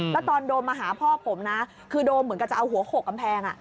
แล้วตอนโดมมาหาพ่อผมนะคือโดมเหมือนกับจะเอาหัวโขกกำแพง